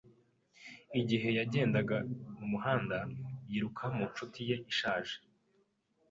Igihe yagendaga mu muhanda, yiruka mu nshuti ye ishaje.